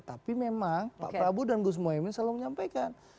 tapi memang pak prabowo dan gus mohaimin selalu menyampaikan